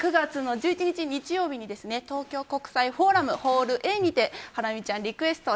９月１１日、日曜日に東京国際フォーラムホールＡにて「ハラミちゃんリクエスト